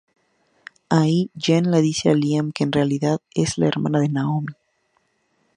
Ahí, Jen le dice a Liam que en realidad es la hermana de Naomi.